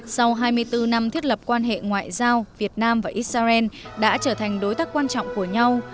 sau hai mươi bốn năm thiết lập quan hệ ngoại giao việt nam và israel đã trở thành đối tác quan trọng của nhau